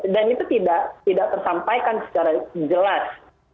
dan itu tidak tersampaikan secara jelas